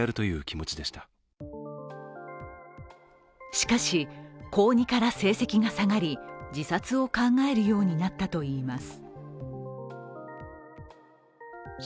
しかし、高２から成績が下がり、自殺を考えるようになったといいます。